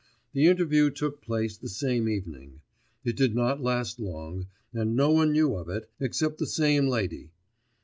The interview took place the same evening; it did not last long, and no one knew of it, except the same lady.